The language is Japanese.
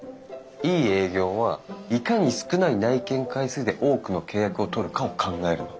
いい営業はいかに少ない内見回数で多くの契約を取るかを考えるの。